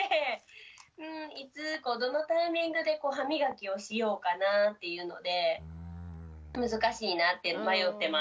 いつどのタイミングで歯みがきをしようかなっていうので難しいなって迷ってます。